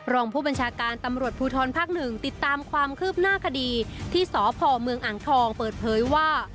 รองผู้บัญชาการตำรวจภูทรภาค๑ติดตามความคืบหน้าคดีที่สพเมืองอ่างทองเปิดเผยว่า